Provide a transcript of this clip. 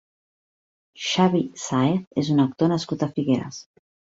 Xavi Sáez és un actor nascut a Figueres.